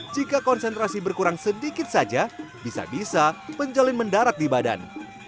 jika konsentrasi berkurang sedikit saja bisa bisa penjalin mendarat di badan